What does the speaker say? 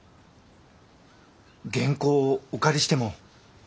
原稿をお借りしても？